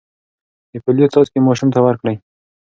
د پولیو څاڅکي ماشوم ته ورکړئ.